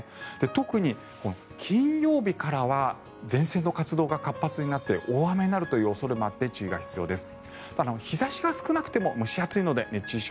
特に金曜日からは前線の活動が活発になって大雨になるという恐れもあって注意が必要です。